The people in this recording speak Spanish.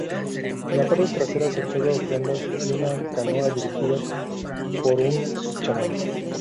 En la parte trasera se observan ofrendas y una canoa dirigida por un chamán.